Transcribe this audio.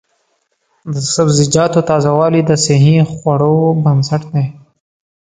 د سبزیجاتو تازه والي د صحي خوړو بنسټ دی.